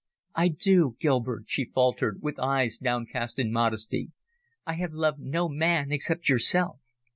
"I do, Gilbert," she faltered, with eyes downcast in modesty. "I have loved no man except yourself."